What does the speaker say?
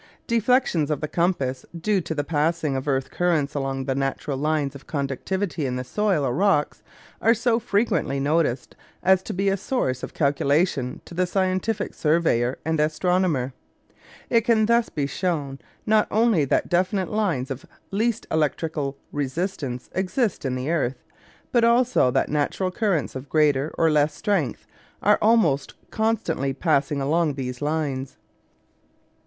Deflections of the compass, due to the passing of earth currents along the natural lines of conductivity in the soil or the rocks, are so frequently noticed as to be a source of calculation to the scientific surveyor and astronomer. It can thus be shown not only that definite lines of least electrical resistance exist in the earth, but also that natural currents of greater or less strength are almost constantly passing along these lines.